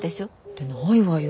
てないわよ